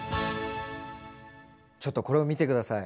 ちょっとこれを見て下さい。